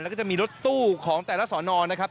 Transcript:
แล้วก็จะมีรถตู้ของแต่ละสอนอนะครับ